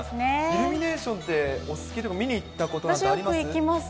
イルミネーションってお好きというか、見に行ったことなんてあります？